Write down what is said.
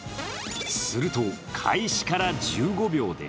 すると、開始から１５秒で